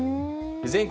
全国